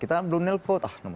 kita belum nelfon